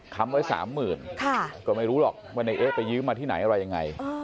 คำไว้๓๐๐๐ก็ไม่รู้หรอกว่าในเอ๊ะไปยืมมาที่ไหนอะไรยังไง